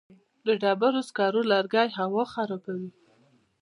د ډبرو سکرو لوګی هوا خرابوي؟